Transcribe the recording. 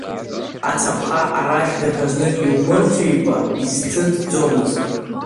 Ацаԥха арахь даҽазнык иумырҵәикәа изҭыҵӡомызт.